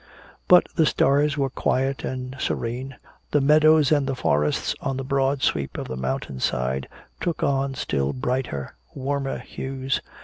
But the stars were quiet and serene. The meadows and the forests on the broad sweep of the mountain side took on still brighter, warmer hues.